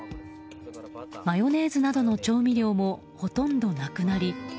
マヨネーズなどの調味料もほとんどなくなり